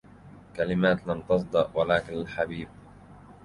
كلمات لم تصدأ, ولكن الحبيبْ